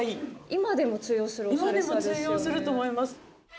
今でも通用すると思います。